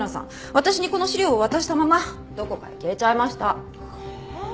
私にこの資料を渡したままどこかへ消えちゃいました。え！？